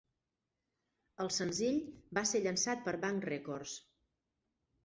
El senzill va ser llançat per Bang Records.